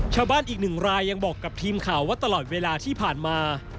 ชาวบ้านอีกหนึ่งรายยังบอกกับทีมข่าวว่าตลอดเวลาที่ผ่านมา